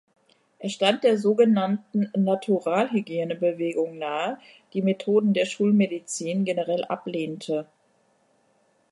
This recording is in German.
Er stand der so genannten "Natural-Hygiene"-Bewegung nahe, die Methoden der Schulmedizin generell ablehnte.